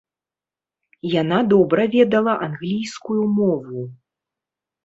Яна добра ведала англійскую мову.